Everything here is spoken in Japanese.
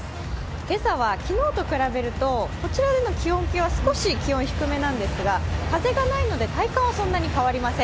今朝は昨日と比べるとこちらでの気温計は少し低いんですが風がないので体感はそんなに変わりません。